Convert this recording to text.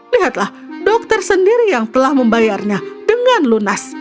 lihatlah dokter sendiri yang telah membayarnya dengan lunas